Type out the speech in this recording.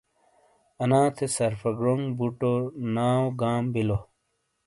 انا تھے، سرفا گڑونگ بوٹو، ناؤ گام بیلو۔